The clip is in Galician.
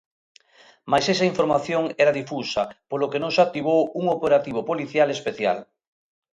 Mais esa información era 'difusa', polo que non se activou un operativo policial especial.